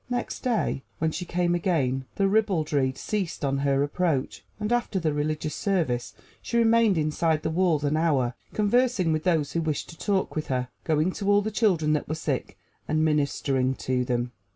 Next day, when she came again, the ribaldry ceased on her approach, and after the religious service she remained inside the walls an hour conversing with those who wished to talk with her, going to all the children that were sick and ministering to them.